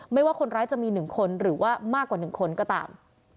ไม่ว่าคนร้ายจะมีหนึ่งคนหรือว่ามากกว่าหนึ่งคนก็ตาม